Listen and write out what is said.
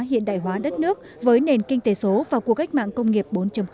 hiện đại hóa đất nước với nền kinh tế số và cuộc cách mạng công nghiệp bốn